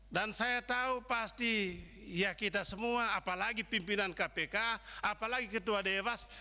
dan saya tahu pasti ya kita semua apalagi pimpinan kpk apalagi ketua dewas